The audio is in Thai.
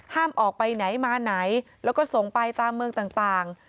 ออกไปไหนมาไหนแล้วก็ส่งไปตามเมืองต่าง